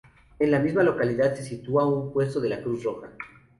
En la misma localidad se sitúa un puesto de la Cruz Roja.